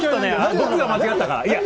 僕が間違ったから。